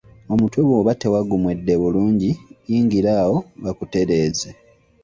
Omutwe bwoba tewagumwedde bulungi yingira awo bakutereeze.